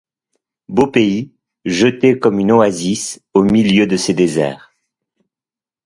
Beau pays, jeté comme une oasis, au milieu de ces déserts!